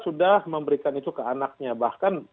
sudah memberikan itu ke anaknya bahkan